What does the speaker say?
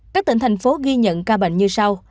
các tỉnh thành phố ghi nhận ca bệnh như sau